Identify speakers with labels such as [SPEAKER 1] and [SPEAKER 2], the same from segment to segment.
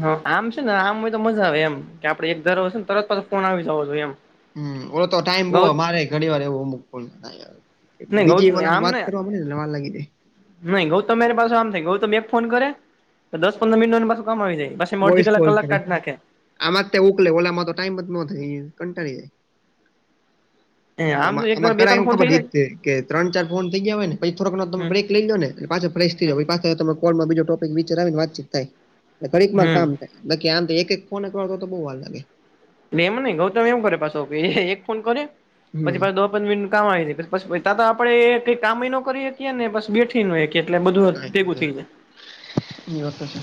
[SPEAKER 1] હ આમ છે ને આમ હોય તો મજા આવે એમ કે આપડે એક દર વષ ને તરત પાછ ફોન આવી જાવ છ એમ
[SPEAKER 2] હ ઓ તો ટાઈમ
[SPEAKER 1] ગૌ
[SPEAKER 2] બહમારે ઘણી વાર એવું મકું
[SPEAKER 1] નહી ગૌ
[SPEAKER 2] બીજી વા વાત કરવાવામાં બ ભ લાગી દ
[SPEAKER 1] નઈ ગૌતમ મારી પાસેું આમ થાય ગૌતમ એક ફોન કરે તો દસ પંદર મિનિટ પાું કામ આવી જાય. પછી અડધી
[SPEAKER 2] વોઈસ
[SPEAKER 1] કલાક
[SPEAKER 2] કોલ
[SPEAKER 1] કલાક
[SPEAKER 2] કરે
[SPEAKER 1] કાઢ નાખે
[SPEAKER 2] આમાં જ ત્યાં ઉકલે ઓલામાં તો ટાઈમ જ ન કંટાળ જાય ઈ.
[SPEAKER 1] આમ તો એક
[SPEAKER 2] આમાં
[SPEAKER 1] ધારો બે
[SPEAKER 2] ઘરા
[SPEAKER 1] ત્રણ
[SPEAKER 2] એવું
[SPEAKER 1] ફોન થઈ જાય
[SPEAKER 2] ખબર કે ચાર ફોન થઈ ગયા ને પછી થોડક તમે
[SPEAKER 1] હમ
[SPEAKER 2] બ્રેક લઈ લો ને એટ પાછ ફેશ થથી જ ભ પાછ તો ત કોલમાં બીજ ટોપિક વિચ આવી ને વાચીત થાય. ખરીકમાં કામ થાયકી આમ તો એક એક ફોન તો બહુ વાર લાગે
[SPEAKER 1] એ એમ નહ ગૌતમ એમું કરે પાછો એક ફોન કરે
[SPEAKER 2] હમ્મ
[SPEAKER 1] પછી પાછો કામ આપણે એ કઈ કામ નો કરી હકીએ નેસ બેઠી ન એટલે બધું [inaudible] થઈ જાય
[SPEAKER 2] કઈ વાત છે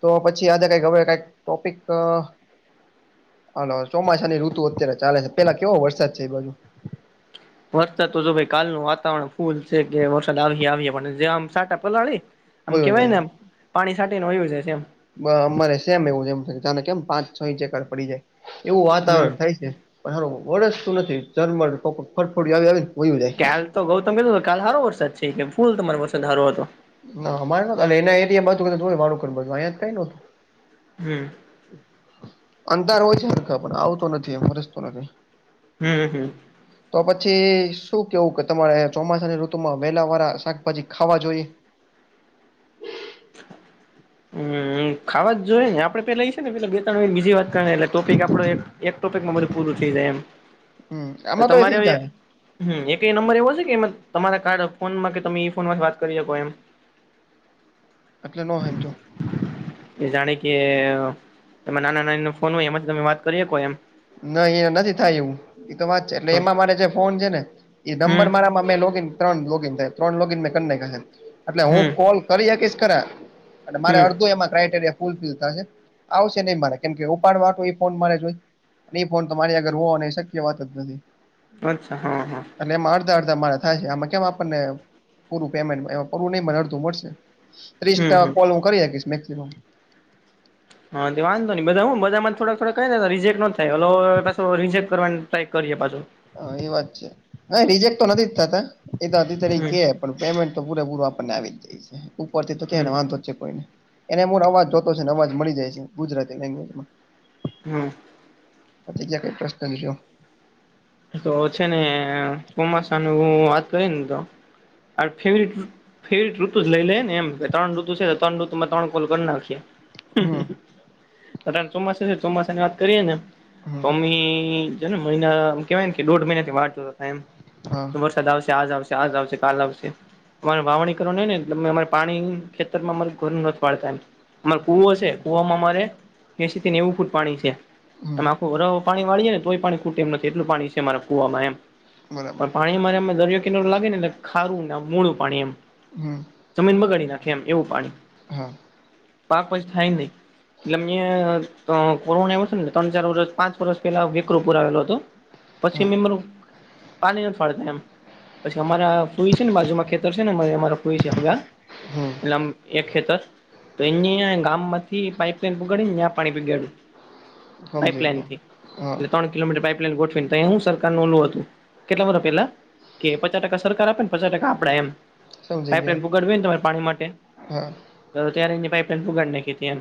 [SPEAKER 2] તો પછી આધે કઈ હવે કઈક ટોપિક હ ચોમાસા ની ઋતુ અત્યારે ચાલે છે પેલા કેવો વરસાદ છે એ બાજુ
[SPEAKER 1] વરસાદ તો જો ભાઈ કાલ ન વાતાવરણ ફૂલ છે કે વરસાદ આવી આવ પણ જે આમ સાટા પલાળી આમ
[SPEAKER 2] હોયો
[SPEAKER 1] કેવાય ને
[SPEAKER 2] છે
[SPEAKER 1] પાણી સાટીને વયો જાય છે ઈમ
[SPEAKER 2] અમારે સેમ એવુંમ તને કેમ પાંચ છ ઇંચ એકર પડી જાય એવું
[SPEAKER 1] હમ
[SPEAKER 2] વાતાવરણ થાય છે. વળસતું જરમર ફરફડી આવી આવે ને વયો જાય.
[SPEAKER 1] ક્યાાલ તો ગૌતમ કધું કાલ સારો વરસાદ છે કે ફૂલ તમારો પસંદ હ સારો હતો.
[SPEAKER 2] ના અમારે એના એરિયા બા વાહીયા કઈ નતું
[SPEAKER 1] હમ
[SPEAKER 2] અંધાર હોય છે સરખા પણ આવતો નથી એરેસતો નથી
[SPEAKER 1] હમ હમ
[SPEAKER 2] તો શું કેવું તમારે ચોમાસાની ઋતુમાં વહેલા વાળા શાકભાજી ખાવા જોઈએ.
[SPEAKER 1] હમ ખાવા જ જોઈએ નેડેલા ઈ છે ને પેલા બે ત્રણ મિની બીજી વાતટ ટોપિક આપડ એકોપિકમાંધ પૂરું થઈ જાય એમ
[SPEAKER 2] હ [inaudible]
[SPEAKER 1] એ તો મારે હમ એક નંબર એવો છે કે તમારા કાર્ડ ફોનમાં કે તમે ઈ ફોન થી વાત કરી શકો એમ.
[SPEAKER 2] એટલે નો હમજ્યો.
[SPEAKER 1] એ જાણે કે એમાં નાના નાની નો ફોન હોય એમાંથી તમે વાત કરી શકો એમ.
[SPEAKER 2] નહી એ નથી થાય એવું, એ તો વાત છે એટલે
[SPEAKER 1] હમ
[SPEAKER 2] એમાં મારે જે ફોન છે ને એ
[SPEAKER 1] હમ
[SPEAKER 2] નંબર મારા માં ત્રન લોગીન થાય ત્રન લોગીન મે કર નાખ્યા, એટલે હું
[SPEAKER 1] હમ
[SPEAKER 2] કોલ કરી શકીશ ખરા. અને મારે
[SPEAKER 1] હમ
[SPEAKER 2] અડધો એમાં ક્રાઈટેરિયા ફુલફિલ થશે આવશે નહી મારે કેમ કે ઉપાડ વાટો એ ફોન મારે જોઈ એ ફોન તમારી આગર હો એ શક્ય વાત જ નથી.
[SPEAKER 1] અચ્છા હા હા.
[SPEAKER 2] એટલે એમાં અડધા અડધા મારા થાય છે આમાં કેમ આપણને પૂરું પેમેન્ટ એમાં પૂરું નહી અડધું મળશે ત્રીસ
[SPEAKER 1] હમ
[SPEAKER 2] ટ
[SPEAKER 1] હમ
[SPEAKER 2] કોલ હું કરી શકીશ મેક્સિમમ.
[SPEAKER 1] હા તે વાંધો નહી બધા હું બધામાં થોડા થોડા કઈને તો રિજેક્ટો નો થાય ઓલ પાછું રિજેક્ટ કરવાનો ટ્રાય કરીએ પાછો.
[SPEAKER 2] હ એ વાત છે હ રિજેક્ટ તો નથી જ થતા એ દ તરી
[SPEAKER 1] હમ
[SPEAKER 2] કે. પણ પેમેન્ટ તો પૂરે પૂર આપણને આવી જાય ઉપર થી તો
[SPEAKER 1] હમ
[SPEAKER 2] ક્યાંને વાંધો જ છે કોઈને. એને મુળ અવાજ જો તો છે ને અવાજ મળી જાય છે ગુજરાતી લેંગવેજમાં,
[SPEAKER 1] હમ.
[SPEAKER 2] બીજા કઈ પ્રશ્ન [unintelligible]
[SPEAKER 1] તો છે ને કોમાસા નું હું વાત કરી ને તો [unintelligible] [unintelligible] ઋતુ જ લઈ લે ને એમ ત્રણ ઋતુ છે ત્રણ ઋતુ માં ત્રણ કોલ કરી નાખીએ. હ હ હ
[SPEAKER 2] હમ
[SPEAKER 1] અત્યારે ચોમાસું છે ચોમાસા ની વાત કરીયે ને તો
[SPEAKER 2] હમ
[SPEAKER 1] અમી ને મહિના કેવાય ને કે દોઢ મહિના થી વાટ જોતા હતા એમ
[SPEAKER 2] હા,
[SPEAKER 1] તો વરસાદ આવશે આજ આવશે આજ આવશે કાલ આવશે અમારે વાવણી કરવાની હોય ને એટલે અમે અમારે પાણી ખેતરમાં અમારૂ ઘરું ન વાળતા એમ અમારે કુવો છે, કુવામાં અમારે એસી થી નેવું ફૂટ પાણી છે
[SPEAKER 2] હમ
[SPEAKER 1] તમાં આખું વરહ પાણી વાળીએે ને તોય પાણી ખૂટે એમ નથી એટલું પાણી છે અમારા કુવામાં એમ
[SPEAKER 2] બરાબર
[SPEAKER 1] પણ પાણી [unintelligible] દરેક લાગેને એટલે ખારું ને મોળું પાણી એમ.
[SPEAKER 2] હમ
[SPEAKER 1] જમીન બગાડી નાખે એમ એવું પાણી
[SPEAKER 2] હા
[SPEAKER 1] પાક પછી થાય નહી એટલે મેં અ કોરોના આવ્યો છે ને ત્રણ ચાર વર્ષ પાંચ વર્ષ પહેલા [unintelligible] પુર આવેલો હતો પછી
[SPEAKER 2] હા
[SPEAKER 1] મેં મારો પાણી નથી વાળતા એમ પછી અમારા ફૂઈ છે ને બાજુમાં ખેતર છે ને અમારા ફૂઈ છે હગા,
[SPEAKER 2] હમ
[SPEAKER 1] એટલે અમે એ ખેતર [unintelligible] ગામ માથી થી પાઈપલાઈન પોગાડી ત્યા પાણી પોગાડ્યું
[SPEAKER 2] સમજી ગયો
[SPEAKER 1] પાઈપલાઈનથી
[SPEAKER 2] હા
[SPEAKER 1] એટલે ત્રણ કિલોમીટર પાઈપ લાઈન ગોઠવી ને તયા હુ સરકાર નુ ઓલું હતું કેટલા વર્ષ પેલા કે પચાસ ટકા સરકાર આપે પચાસ ટકા આપડે એમ,
[SPEAKER 2] સમજી ગયો
[SPEAKER 1] પાઈપલાઈન પોગાડવી હોય ને તમારે પાણી માટે
[SPEAKER 2] હા
[SPEAKER 1] તો ત્યારે એમની પાઇપલાઇન પોગાડી નાખી હતી એમ.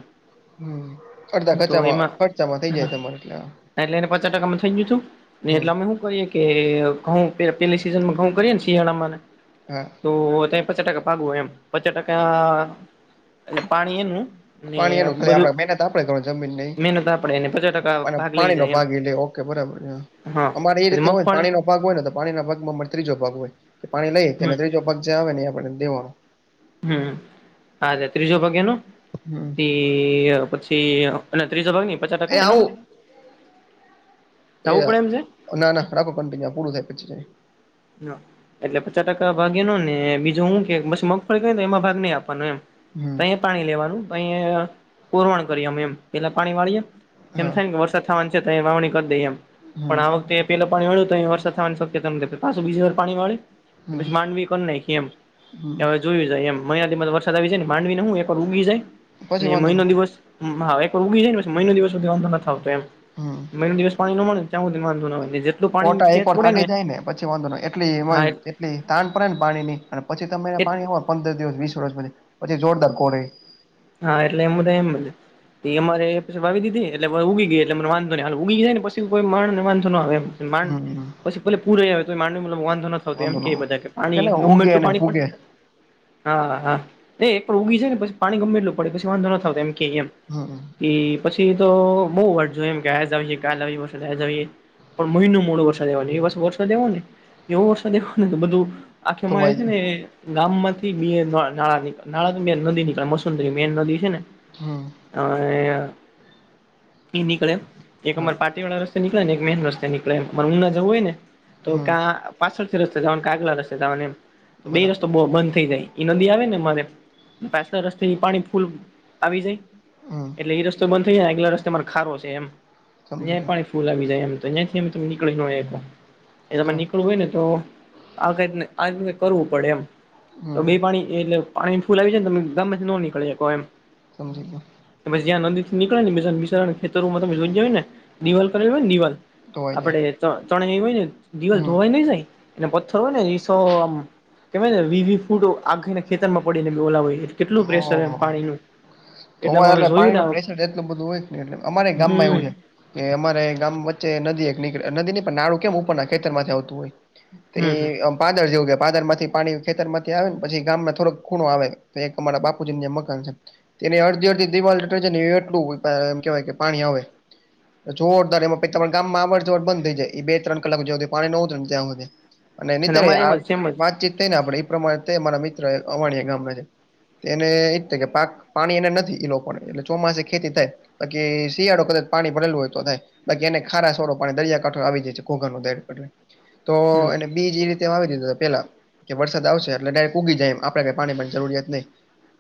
[SPEAKER 2] હમ અડધા
[SPEAKER 1] તો
[SPEAKER 2] ખર્ચામાં
[SPEAKER 1] એમાં,
[SPEAKER 2] ખર્ચામાં થઇ જાય તમારે એટલે હા
[SPEAKER 1] એટલે એને પચા ટકા મળ હું કીધું નઈ
[SPEAKER 2] હમ
[SPEAKER 1] એટલે અમે હું કરીએ કે ઘઉ પેલી સિઝનમાં ઘવ કરીએ ને શિયાળામાંને
[SPEAKER 2] હા.
[SPEAKER 1] તો અત્યારે પચા ટકા પાકુ હોય એમ પચા ટકા એટલે પાણી એનું ને
[SPEAKER 2] પાણી એનું ખાલી
[SPEAKER 1] બધું
[SPEAKER 2] આપડે મહેનત આપડે કરવાની
[SPEAKER 1] મહેનત આપડે એને પચા ટકા ભાગ લઈ
[SPEAKER 2] પાણી નો
[SPEAKER 1] જાય એમ
[SPEAKER 2] ભાગ એટલે ઓકે બરાબર હે હ
[SPEAKER 1] હા
[SPEAKER 2] અમારે એ
[SPEAKER 1] પછી
[SPEAKER 2] રીતે હોય
[SPEAKER 1] મગફળી
[SPEAKER 2] પાણીનો ભાગ હોય ને તો પાણીના ભાગમા અમારે ત્રીજો ભાગ હોય એટલે પાણી લઈએ એને
[SPEAKER 1] હમ
[SPEAKER 2] ત્રીજો ભાગ જે હોય એ આપણે દેવાનો
[SPEAKER 1] હમ્મ હાલે ત્રીજો ભાગ એનો
[SPEAKER 2] હમ્મ.
[SPEAKER 1] કે અહ પછી અહ પેલા ત્રીજો ભાગ નઈ પચાસ
[SPEAKER 2] એ
[SPEAKER 1] ટકા એનો
[SPEAKER 2] આવું એ આ
[SPEAKER 1] પડે એમ છે
[SPEAKER 2] ના ના રાખો ફોન કઈની આ પુરૂ થાય પછી જોઈએ.
[SPEAKER 1] ના એટલે પચાસ ટકા ભાગ એનો ને બીજું હું કે પછી મગફળી કરી ને એમાં ભાગ નહી આપવાનો એમ
[SPEAKER 2] હમ
[SPEAKER 1] તયે પાણી લેવાનું તયે અહ પુરવણ કરીએ અમે એમ પેલા પાણી વાળીએ એમ
[SPEAKER 2] હા
[SPEAKER 1] થાય ને કે વરસાદ થવાન છે તયે વાવણી કરી દઈ એમ પણ
[SPEAKER 2] હમ
[SPEAKER 1] આ વખતે પેલા પાણી વાળ્યુ તય વરસાદ થવાની શક્યતા નથી પાછું બીજી વાર પાણી વાળે પછી
[SPEAKER 2] હમ
[SPEAKER 1] માંડવી એ કરી નાયખી એમ કે હવે
[SPEAKER 2] હમ
[SPEAKER 1] જોયું જાય એમ મહિના દિવસ વરસાદ આવી જાય ને માંડવીને હું એકર ઉગી જાય
[SPEAKER 2] પછી
[SPEAKER 1] ને
[SPEAKER 2] વાંધો ન
[SPEAKER 1] મહિનો
[SPEAKER 2] આવે.
[SPEAKER 1] દિવસ મા હોય એક ઉગી જાય ને પછી મહિનો દિવસ સુધી વાંધો નથી આવતો એમ.
[SPEAKER 2] હમ
[SPEAKER 1] મહિનો દિવસ પાણી નો મળે ને ત્યાં સુધી વાંધો નો હોય જેટલું પાણીની
[SPEAKER 2] કોટા એક
[SPEAKER 1] ખેચ
[SPEAKER 2] વાર
[SPEAKER 1] પડે
[SPEAKER 2] કાઢી
[SPEAKER 1] ને
[SPEAKER 2] જાય પછી વાંધો ન હોય એટલે
[SPEAKER 1] હા
[SPEAKER 2] એમાંય તે એટલે તાણ પડે ને પાણી ની અને પછી તમે
[SPEAKER 1] એ
[SPEAKER 2] પાણી હો પંદર દિવસ વીસ વર્ષ પછી એ જોરદાર કોહરાય.
[SPEAKER 1] હા એટલે એમનુ તો એમ ભલે એ અમારે પછી વાવિ દિધી એટલે પહી ઉગી ગઈ એટલે મને વાંધો નઈ હાલો ઉગી જાય ને પછી કોઈ માણ ને વાંધો નો આવે એમ માંડ
[SPEAKER 2] હમ
[SPEAKER 1] પછી પેલે પૂરેય આવે તોય માંડને મતલબ વાંધો નથ આવતો એમ
[SPEAKER 2] વાંધો ન
[SPEAKER 1] કેય
[SPEAKER 2] આવે
[SPEAKER 1] બધા કે પાણી
[SPEAKER 2] ને
[SPEAKER 1] ગમે
[SPEAKER 2] ઉગે
[SPEAKER 1] એટલુ
[SPEAKER 2] અને
[SPEAKER 1] પાણી પડે
[SPEAKER 2] ભૂગે
[SPEAKER 1] હા હા એ પણ ઊગી છે ને પછી પાણી ગમેલું પડે પછી વાંધો ન આવતો એમ કે એમ.
[SPEAKER 2] હા હા.
[SPEAKER 1] પછી તો બઉ વાટ જોઈ એમ કે આયા ઝાવીએ કે [unintelligible] પણ મહિનો મોડો વરસાદ આયવો એ વર્ષે વરસાદ આયવોને એવો વરસાદ આયવો ને તો કે બધું આખે અમારે
[SPEAKER 2] ધોવાઈ ગયું
[SPEAKER 1] છે ગામમાંથી બે ત્રણ નાળા નીકળા નાળા બે નદીની [unintelligible] મશ ઈ મેન નદી છે ને
[SPEAKER 2] હમ
[SPEAKER 1] આયા ઈ નીકળે એક
[SPEAKER 2] હા
[SPEAKER 1] અમાર પાટીવાળા રસ્તે નીકળે ને એક મેન રસ્તે નીકળે એમ પણ ઉના જવું હોય ને તો
[SPEAKER 2] હમ
[SPEAKER 1] કાં પાછળથી રસ્તે ઝાવાનું કાં આગલા રસ્તે ઝાવાનુ એમ તો બેય
[SPEAKER 2] બરાબર
[SPEAKER 1] રસ્તો બો બંધ થઈ જાય એ નદી આવે ને અમારે પાછલા રસ્તા એ પાણી ફૂલ આવી જાય
[SPEAKER 2] હમ
[SPEAKER 1] એટલે એ રસ્તોય બંધ થઇ જાય આયગલા રસ્તે અમાર ખારો છે એમ
[SPEAKER 2] સમજી
[SPEAKER 1] યાંય
[SPEAKER 2] ગયો
[SPEAKER 1] પાણી ફૂલ આવી જાય એમ તો ન્યાંથીય અ તમે નીકળી નો હકો ન્યા તમારે
[SPEAKER 2] હા
[SPEAKER 1] નીકળવું હોય ને તો આ કઈ ને આ રીતનું કાંઈ આય કરવું પડે એમ તો
[SPEAKER 2] હમ
[SPEAKER 1] બેય પાણી થાય એટલે પાણી ફૂલ આવી ને તમે ગામમાંથી નો નીકળવી હકો એમ
[SPEAKER 2] સમજી ગયો.
[SPEAKER 1] પછી જ્યાં નદીથી નીકળેને બીજાને બિચારાના ખેતરૂમાં તમે ઝોઇન ગયા હોય ને દીવાલ કરી હોય ને દીવાલ
[SPEAKER 2] ધોવાઈ
[SPEAKER 1] આપડે
[SPEAKER 2] જાય
[SPEAKER 1] ચણે એ હોય ને દીવાલ
[SPEAKER 2] હમ
[SPEAKER 1] ધોવાઈ નઈ જાય એને પથ્થર હોય નીસો આમ કેવાય ને વીવી ફૂટો આખો એ ને ખેતરમાં પડીને રોલાવે હોય કેટલું પ્રેશર હે પાણીનું
[SPEAKER 2] ધોવાય
[SPEAKER 1] અમે
[SPEAKER 2] એટલે
[SPEAKER 1] જોયું ને
[SPEAKER 2] પાણીનું પ્રેશર એટલું બધું હોય જ એટલે અમારેય ગામમાં એવું
[SPEAKER 1] હમ
[SPEAKER 2] છે કે અમારે આય ગામ વચ્ચે નદી એક નીકળે અ નદી નય પણ નાળું કેમ ઉપરના ખેતરમાંથી આવતું હોય તે
[SPEAKER 1] હમ
[SPEAKER 2] એમ પાદર જેવું કેવાય પાદરમાંથી પાણી ખેતરમાંથી આવે ને પછી ગામમાં થોડોક ખૂણો આવે તો એક અમારા બાપુજીની જેમ મકાન છે. તેને અડધી અડધી દિવાલ દટાય જાયને એટલું એમ કેહેવાય કે પાણી આવે જોરદાર એમાં પહી તમાર ગામમાં અવર જવર બંધ થઈ જાય એ બે ત્રણ કલાક જો હુધી પાણી નો ઉતરેને ત્યાં સુધી અને નીતેય
[SPEAKER 1] અમારે એમ
[SPEAKER 2] આ
[SPEAKER 1] જ સેમ જ
[SPEAKER 2] વાતચીત થઈને આપડી પ્રમાણે તે મારા મિત્ર અવાણીયા ગામના છે. એને એ જ થાય કે પાક પાણી એને નથી ઈ લોકોને એટલે ચોમાસે ખેતી થાય બાકી શિયાળો કદાચ પાણી ભરેલું હોય તો થાય બાકી એને ખારાશવારુ પાણી દરિયાકાંઠો આવી જાય છે ઘોઘરનો દરિયાકાઠે તો
[SPEAKER 1] હમ
[SPEAKER 2] એને બીજ એ રીતે વાવી દીધું હોય પેલા કે વરસાદ આવશે એટલે ડાયરેક ઉગી જાય એમ આપણે પાણી બાણીની જરૂરિયાત નહી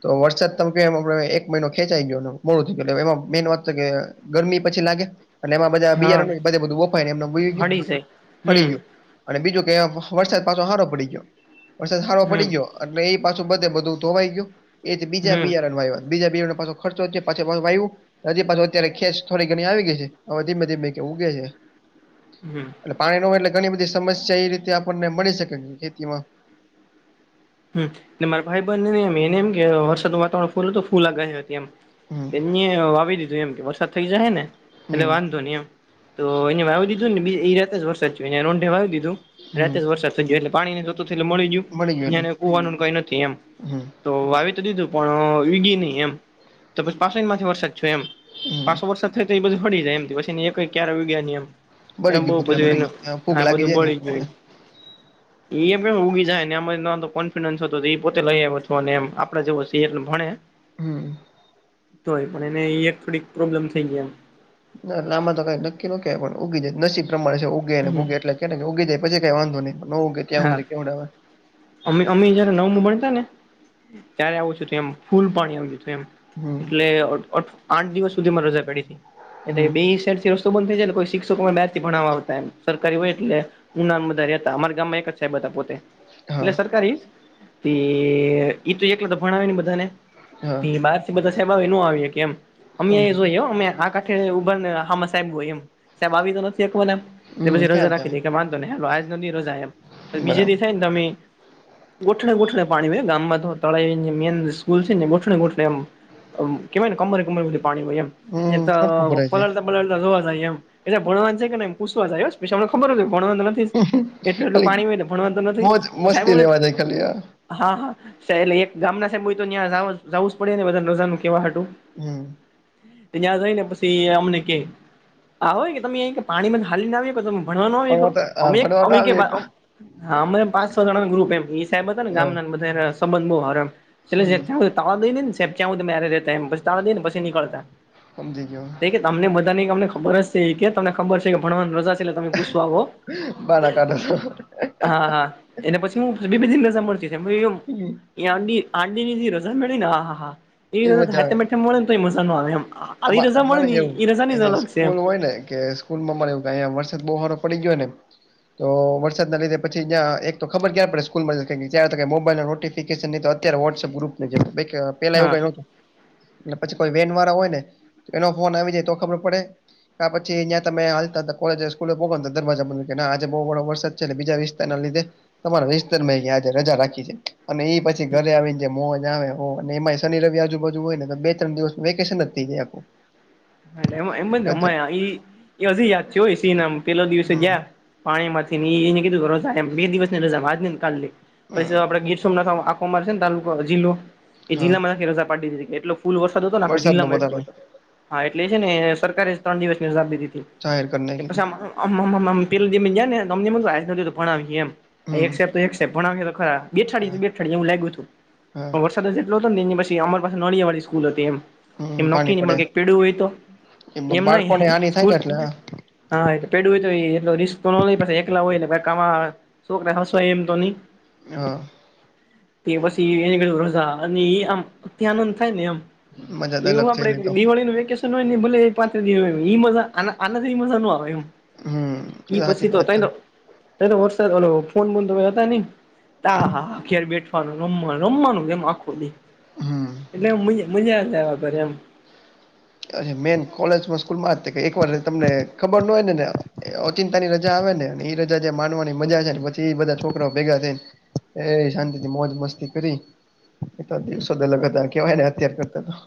[SPEAKER 2] તો વરસાદ તમે ક્યો એમ આપણે એક મહિનો ખેંચાઈ ગ્યોને મોડું થ્યુ એટલે એમાં મેન વાત છે કે ગરમી પછી લાગે અને એમાં બધા
[SPEAKER 1] હા
[SPEAKER 2] બિયારણને બધેબધું બફાયને એમ વયુ ગ્યું
[SPEAKER 1] હળી જાય
[SPEAKER 2] બડી
[SPEAKER 1] હમ
[SPEAKER 2] ગ્યું. અને બીજું કે વરસાદ પાસો હારો પડી ગયો વરસાદ હારો પડી
[SPEAKER 1] હમ
[SPEAKER 2] ગ્યો એટલે એ પાછું બધે બધું ધોવાઈ ગ્યું એયથી બીજા
[SPEAKER 1] હમ
[SPEAKER 2] બીયારન વાયવા બીજા બિયારણ પાસા ખર્ચો થ્યો પાછેપાછુ વાય્યું હજી પાછી અત્યારે ખેંચ થોડી ઘણી આવી ગઈ છે હવે ધીમે ધીમે કે ઉગે છે.
[SPEAKER 1] હમ્મ
[SPEAKER 2] એટલે પાણી નો હોય એટલે ઘણી બધી સમસ્યા એ રીતે આપણને મળી શકે ખેતીમાં
[SPEAKER 1] હમ્મ ને માર ભાઈબંધનેય એમ એનેમ કે વરસાદનુ વા તાવરણ ફૂલો તો ફૂલ લાગે હે હજી એમ
[SPEAKER 2] હમ
[SPEAKER 1] તે ન્યે વાવી દીધું એમ કે વરસાદ થઈ જાહે ને એટલે
[SPEAKER 2] હમ
[SPEAKER 1] વાંધો નહી એમ તો એને વાવી દીધું ને બીજ એ જ રાતે વરસાદ થ્યો યા રોંઢે વાવી દીધું
[SPEAKER 2] હમ
[SPEAKER 1] રાતે ઝ વરસાદ થઈ ગયો એટલે પાણી ને જોતુતુ એ મળી ગ્યું ને યા કુવાનુંન કાઈ નથી એમ
[SPEAKER 2] હમ
[SPEAKER 1] તો વાવી તો દીધું પણ ઊયગી નહી એમ તો પછી પાછો એન માથે વરસાદ થ્યો એમ
[SPEAKER 2] હમ
[SPEAKER 1] પાસો વરસાદ થાય તો એ બધી સળી જાય એમ પછી એકય ક્યારા ઊયગા ની એમ એમ
[SPEAKER 2] બળી
[SPEAKER 1] બહુ
[SPEAKER 2] ગયું બધું
[SPEAKER 1] બધુ
[SPEAKER 2] એમને
[SPEAKER 1] એનું
[SPEAKER 2] ત્યાં ફૂગ
[SPEAKER 1] આય
[SPEAKER 2] લાગી
[SPEAKER 1] બધું
[SPEAKER 2] જાય ને એ
[SPEAKER 1] મળી ગ્યુ
[SPEAKER 2] પ્રમાણે
[SPEAKER 1] એમ ઈ એમ ક્યેન ઊગી જાય નેમનેમ કોન્ફિડન્સ હતો તો એ પોતે લઈ આવયોતો અને એમ આપડે જેવો સી એનુ ભણે
[SPEAKER 2] હમ્મ
[SPEAKER 1] તો હોય પણ એને એ એક થોડીક પ્રોબ્લેમ થઈ ગય એમ
[SPEAKER 2] ત લાંબા તો કઈ નક્કી ન કે પણ ઉગી જાય નસીબ પ્રમાણે છે ઉગે અને ભૂગે એટલે કે ને કે ઉગી જાય પછી કઈ વાંધો ની ન ઉગે ત્યાં
[SPEAKER 1] હા
[SPEAKER 2] હુદી કેવડાવે
[SPEAKER 1] અમે અમે જયારે નવમું ભણતા ને ત્યારે આવું થીયું તું એમ ફૂલ પાણી આવતું તું એમ
[SPEAKER 2] હમ
[SPEAKER 1] એટલે અઠ અઠ આઠ દિવસ સુધી મારે રજા પડી તી એટલે
[SPEAKER 2] હમ
[SPEAKER 1] બે સાઈટથી રસ્તો બંધ થઈ જાય ને કોઈ શિક્ષકોમાં બાર થી ભણવા આવતા એમ સરકારી હોય એટલે ઉનામ બધા રેતા અમારા ગામમાં એક જ સાહેબ અતા પોતે એટલે
[SPEAKER 2] હા
[SPEAKER 1] સરકારી જ તે ઈ તો એકલો તો ભણાવે ની બધાને
[SPEAKER 2] હા
[SPEAKER 1] તી બાત બધા સાયેબ આવે ઈ નો આવી હકે એમ અમે
[SPEAKER 2] સમજ
[SPEAKER 1] જો અમે આ કા ખે ઉભા ને હામા સાયેબ હોય એમ સાયબ આવી તો નથી તે કોન આમ
[SPEAKER 2] હમ
[SPEAKER 1] પછી રજા
[SPEAKER 2] ક્યાં જાવ
[SPEAKER 1] રાખી દે કે વાંધો નાઇ હ લ આજ નો દી રજા એમ પ બીજે
[SPEAKER 2] બરાબર
[SPEAKER 1] દી થાય ને તમે ગોઠડે ગોઠડે પાણી હોય ગામાંતો તળાએ જે મેન સ્કૂલ છે ને ગોઠડે ગોઠડે આમ અમ કેવાય ને કમરે કમરે બધી પાણી હોય એમ જે
[SPEAKER 2] હમ
[SPEAKER 1] ત
[SPEAKER 2] સરખું ભરાય જાય
[SPEAKER 1] પલળતા પલળતા જોવા જાય એમ એ જે ભણવાન છે કે નેઇ પૂછવા જાય હ પછી અમને ખબર જ હોય ભણવા તો નથી જ એટલું એટલું
[SPEAKER 2] ખાલી
[SPEAKER 1] પાણી હોય ને ભણવાનું તો નથી
[SPEAKER 2] મોજ મસ્તી
[SPEAKER 1] સાહેબો
[SPEAKER 2] લેવા જાય ખાલી આ
[SPEAKER 1] હા હા એટલે એક ગામના સાયેબ હોય તો નયા જવા જાવું જ પડે ને બધા ને રજાનું કેવા હાટુ
[SPEAKER 2] હું
[SPEAKER 1] ત્યાં જઈને પછી ઈ અમને કે આવોય કે તમે ઈ કે પાણીમાં થી હાલી ને આવી હકો તમ ભણવાનું હોય ક
[SPEAKER 2] પણ આ
[SPEAKER 1] અમેક
[SPEAKER 2] ભણવા
[SPEAKER 1] અમેકે
[SPEAKER 2] આવી
[SPEAKER 1] અ હમે પાસે ગણાનું ગ્રુપ એમ ઇ સાયેબ અતા ને
[SPEAKER 2] હા
[SPEAKER 1] ગામના ન બધા એના સંબંધ બો હારા એમ
[SPEAKER 2] હમ
[SPEAKER 1] [unintelligible] ત્યા હુદી મેરે રેતા એમ પછી તાવા દેન પછી નીકળતા
[SPEAKER 2] હમજી ગયો
[SPEAKER 1] તે કે તમને બધાની ક અમને ખબર જ સે ઈ કે તમને ખબર છે કે ભણવાનું રજા સે એટલે તમે પૂછવા આવો
[SPEAKER 2] બાના કાઢો
[SPEAKER 1] હા હા એને પછી હું બી બધીની રજા મળતીમ
[SPEAKER 2] હું
[SPEAKER 1] ઈ આટ દી આટ દી ની જી રજા મળી ને આ હા હા એ રજા ત
[SPEAKER 2] મજા
[SPEAKER 1] હેઠે
[SPEAKER 2] આવે
[SPEAKER 1] મેઠે મલે ને તોય મજા ન આવે એમ આવી
[SPEAKER 2] અમા
[SPEAKER 1] રજા મળે ને
[SPEAKER 2] અમારેય એવું એ
[SPEAKER 1] રજાની જ
[SPEAKER 2] જે
[SPEAKER 1] અલગ છે એમ
[SPEAKER 2] સ્કૂલ હોય ને કે સ્કુલમાં મળે એમ કાઈ આ વરસાદ બો હારો પડી ગયો ને તો વરસાદ ના લીધે પછી જ્યાં એક તો ખબર ક્યારે પડે સ્કૂલમાં છે યારે મોબાઈલ નોટીફ ફિકેસન ઇ તો અત્યારે વોટ્સએપ ગ્રુપ પેલા એવું
[SPEAKER 1] હા
[SPEAKER 2] કઇ નો તું ને પછી કોઈ વેન વારા હોય ને એનો ફોન આવી જાય તો ખબર પડે આ પછી જ્યાં તમે હાલતા તા કોલેજે સ્કૂલે ભોગવા દરવાજા બ કે આજે બો ઘણો વરસાદ છેટલે બીજા દિવસે તેના લીધે તમારા વિસ્તર આજે રજા રાખી છે અને ઈ પછી ઘરે આવીને જે મોજ આવે હો અને એમાંય શનિ રવિ આજુ બાજુ હોય ને તો બે ત્રણ દિવસ વેકેશન જ થઈ જાય આખું
[SPEAKER 1] હા એલે એમ જ ને
[SPEAKER 2] ગજબ
[SPEAKER 1] એમાં ઇ હજી યાદ છે હોય સિન આમ પેલો દિવસે
[SPEAKER 2] હમ
[SPEAKER 1] ગયા પાણી માંથી ન ઇ ઇને કીધું રજા એમ બે દિવસ ની રજા આજ ની ન કાલની પછી
[SPEAKER 2] હમ
[SPEAKER 1] તો આપડે ગીર સોમથ આ અમારે છે ન તાલુકો જિલ્લો એ
[SPEAKER 2] હા
[SPEAKER 1] જિલ્લા માંખી રજા પડી દીધી કે એટલો ફૂલ વરસાદ હતો
[SPEAKER 2] વરસાદ નું
[SPEAKER 1] જિલ્લામાં એટલો
[SPEAKER 2] વધારે
[SPEAKER 1] હા એટલે છે ને સરકારે ત્રણ દિવસની રજા આપી દીધી
[SPEAKER 2] જાહેર કરી
[SPEAKER 1] પછી
[SPEAKER 2] નાખ્યું
[SPEAKER 1] આમ આમમમમ [unintelligible] ભણાવી એમ
[SPEAKER 2] હમ
[SPEAKER 1] એક સાયેબ તો એક સાયેબ ભણાવહે તો ખરા
[SPEAKER 2] હા
[SPEAKER 1] બેઠાડી બેઠાડી એવુ લાગ્યું તું
[SPEAKER 2] હા
[SPEAKER 1] પણ વરસાદ એટલો તો ને એની પછી પાસે નળિયા વાળી સ્કૂલ હતી એમ
[SPEAKER 2] હમ
[SPEAKER 1] એમ નોકી
[SPEAKER 2] પાણી
[SPEAKER 1] ની
[SPEAKER 2] પડે
[SPEAKER 1] મળે કક પેડું હોય તો
[SPEAKER 2] એ
[SPEAKER 1] એમ નઇ
[SPEAKER 2] બાળકોને હાની થાય ને
[SPEAKER 1] સ્કૂલ
[SPEAKER 2] એટલે
[SPEAKER 1] [unintelligible] શોકરા હસો એમ તો ની
[SPEAKER 2] હા
[SPEAKER 1] તે પછી એને કજુ રજા અને ઇ આમ ત્યાં નંદ થાય ને આમ
[SPEAKER 2] મજા જ
[SPEAKER 1] એ વુ
[SPEAKER 2] અલગ છે
[SPEAKER 1] આપડે
[SPEAKER 2] એની તો
[SPEAKER 1] દિવાળીનું વેકેશન હોય ને ભલે એ પાત્રી દીવ ઇ મજા આના આનાથી મજા ન આવે એમ
[SPEAKER 2] હમ એ
[SPEAKER 1] ઇ
[SPEAKER 2] સાચી
[SPEAKER 1] પછી તો
[SPEAKER 2] વાત છે
[SPEAKER 1] તઇનો વરસાદ ઓ ફોન બમે હતા ન આા હા બેઠ નું રમવાનું રમવાનું કેમ આખું નહી
[SPEAKER 2] હમ
[SPEAKER 1] એટલે મ મજા જ ઘર એમ.
[SPEAKER 2] મેન કોલેજ સ્કૂલ માં જ એક વાર તમને ખબર ન હોય નેને ચિંતાની રજા આવે ને અને એ રજા જે માનવાની મજા આવે છે ને પછી એ બધા છોકરાઓ ભેગા થઈને. એ શાંતિ થી મોજ મસ્તી કરી એલા દિવસો દલગ હતા કેવાયને અથ્યાર કરતા હતા.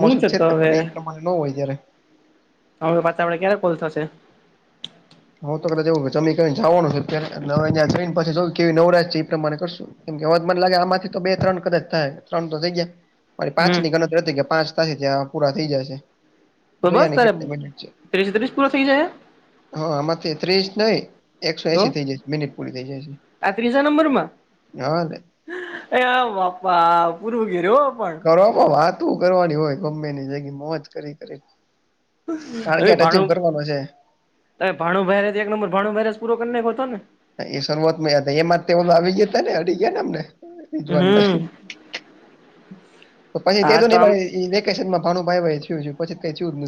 [SPEAKER 1] હું છે
[SPEAKER 2] જ
[SPEAKER 1] તો
[SPEAKER 2] ને
[SPEAKER 1] હવે
[SPEAKER 2] પણ એ પ્રમાણે ન હોય.
[SPEAKER 1] હવે પાછા આપડ ક્યારે કોોલ થશે?
[SPEAKER 2] હું તો કદાચ એવું જમી જવાનું છે [unintelligible] નવરાજ છે એ પ્રમાણે કરશું. કેમ કે હવાજ મન લાગે આમાંથી તો બે ત્રણ કદાચ થાય ત્રણ તો થઈ ગયા. મારી પાંચ
[SPEAKER 1] હમ
[SPEAKER 2] ની ગણતરી હતી કે પાંચ થશે ત્યા પૂરા થઈ જશે.
[SPEAKER 1] તો
[SPEAKER 2] જોયા
[SPEAKER 1] બસ
[SPEAKER 2] ને
[SPEAKER 1] તારે
[SPEAKER 2] કેટલી મિનિટ છે
[SPEAKER 1] તેત્રીસ પૂરા થઇ જાય.
[SPEAKER 2] હા આમાંથી ત્રીસ નઈ એકસો
[SPEAKER 1] તો
[SPEAKER 2] એસી થઇ જાય મિનિટ પૂરી થઇ જાય છે.
[SPEAKER 1] આ ત્રીજા નંબર માં?
[SPEAKER 2] હા તે
[SPEAKER 1] એ આ બાપા પૂરવું ઘેર પણ
[SPEAKER 2] પ્રોપ વાત કરવાની હોય ગમે ની જગી મોજ કરી કરી.
[SPEAKER 1] હવે
[SPEAKER 2] ટાર્ગેટ અચિવ
[SPEAKER 1] ભાણું
[SPEAKER 2] કરવારવાનો છે.
[SPEAKER 1] ભાણું ભાઈર એક નંબર ભાણું ભાઈર પૂરો કરીનેખતો ને?
[SPEAKER 2] એ શરૂઆતમાંયા હતા એમાં તેઓ તો આવી ગયા હતા ને હડી ગયા ને અમને. જવાન
[SPEAKER 1] હમ
[SPEAKER 2] ભાઈ પ્પપા એને કઇ
[SPEAKER 1] હા
[SPEAKER 2] તો નહી
[SPEAKER 1] આમ
[SPEAKER 2] ભઈ. એ લેકેશનમાં ભાણું ભાઈ ભાઈયું છે પછી કઈ ચયર નથી.